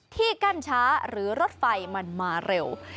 ที่กั้นช้าหรือรถไฟมันมาเร็ว